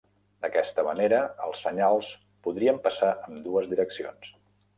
D'aquesta manera, els senyals podrien passar ambdues direccions.